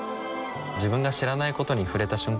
自分が知らないことに触れた瞬間